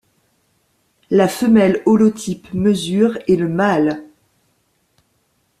La femelle holotype mesure et le mâle }.